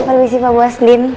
apa visi pak bos din